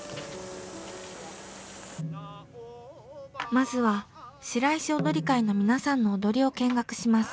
まずは白石踊会の皆さんの踊りを見学します。